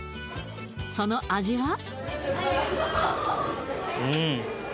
その味は？